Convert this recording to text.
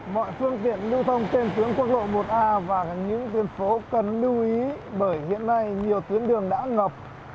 mọi phương tiện lưu thông trên tuyến quốc lộ một a và những tuyến phố cần lưu ý bởi hiện nay nhiều tuyến đường đã ngập